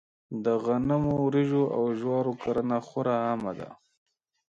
د غنمو، وريجو او جوارو کرنه خورا عامه ده.